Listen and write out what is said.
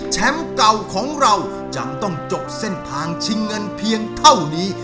เก่าของเรายังต้องจบเส้นทางชิงเงินเพียงเท่านี้